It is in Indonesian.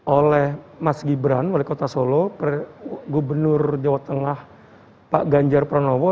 oleh mas gibran wali kota solo gubernur jawa tengah pak ganjar pranowo